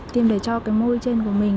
tiêm để cho cái môi trên của mình